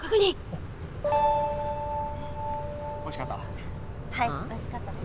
はいおいしかったです。